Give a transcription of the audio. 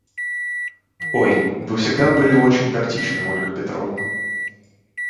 Ой, Вы всегда были очень тактичны, Ольга Петровна.